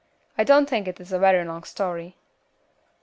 "I don't think it is a very long story."